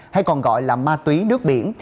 hay còn gọi là ma túy nước biển